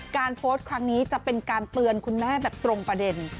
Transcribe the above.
โพสต์ครั้งนี้จะเป็นการเตือนคุณแม่แบบตรงประเด็น